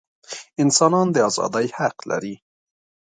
انسانان د ازادۍ حق لري.